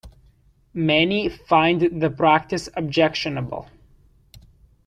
Many find the practice objectionable.